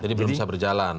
jadi belum bisa berjalan